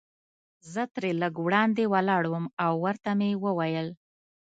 زه ترې لږ وړاندې ولاړم او ورته مې وویل.